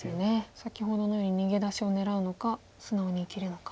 先ほどのように逃げ出しを狙うのか素直に生きるのか。